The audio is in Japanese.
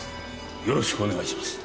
よろしくお願いします。